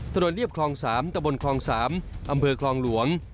เรียบคลอง๓ตะบนคลอง๓อำเภอคลองหลวง